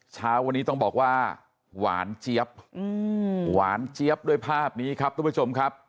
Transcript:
เช้าวันนี้ต้องบอกว่าหวานเจี๊ยบหวานเจี๊ยบด้วยภาพนี้ครับทุกผู้ชมครับ